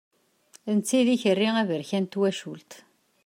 D netta i d ikerri aberkan n twacult.